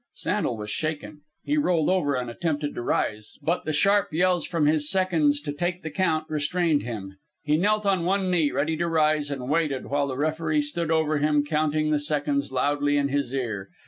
Sandel was shaken. He rolled over and attempted to rise, but the sharp yells from his seconds to take the count restrained him. He knelt on one knee, ready to rise, and waited, while the referee stood over him, counting the seconds loudly in his ear.